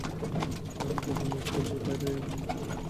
আর মির্জা তো মুর্খ, যে বাইরে বসে আছে।